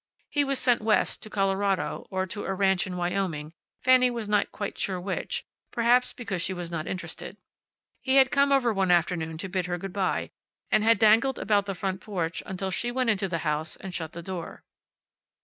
He was sent West, to Colorado, or to a ranch in Wyoming, Fanny was not quite sure which, perhaps because she was not interested. He had come over one afternoon to bid her good by, and had dangled about the front porch until she went into the house and shut the door.